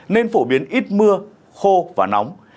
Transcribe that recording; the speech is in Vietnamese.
nên phổ biến ít mưa khô và nóng